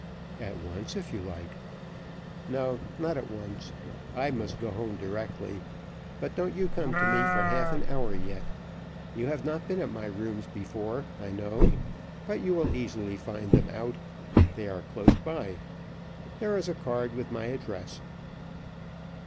"At once, if you like." "No, not at once. I must go home directly; but don't you come to me for half an hour yet. You have not been at my rooms before, I know, but you will easily find them out; they are close by. There is a card with my address.